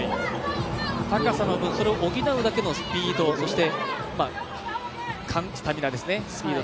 高さの分それを補うだけのスピードそしてスタミナですね。